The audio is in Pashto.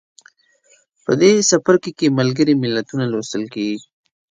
په دې څپرکي کې ملګري ملتونه لوستل کیږي.